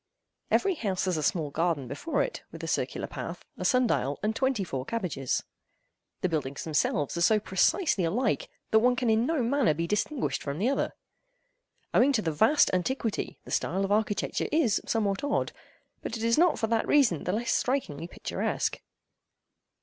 Every house has a small garden before it, with a circular path, a sun dial, and twenty four cabbages. The buildings themselves are so precisely alike, that one can in no manner be distinguished from the other. Owing to the vast antiquity, the style of architecture is somewhat odd, but it is not for that reason the less strikingly picturesque.